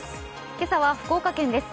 今朝は福岡県です